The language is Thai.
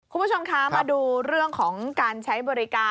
คุณผู้ชมคะมาดูเรื่องของการใช้บริการ